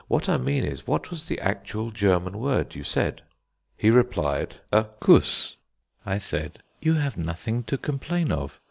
What I mean is, what was the actual German word you said." He replied: "A kuss." I said: "You have nothing to complain of.